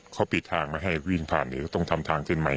เขาปิดทางมาให้วิ่งผ่านต้องทำทางเจ็ดใหม่